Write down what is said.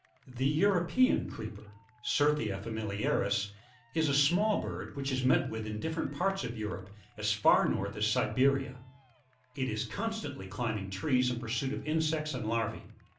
The European Creeper, — Certhia familiaris, — is a small bird which is met with in different parts of Europe, as far north as Siberia ; it is con stantly climbing trees in pursuit of insects and larvae.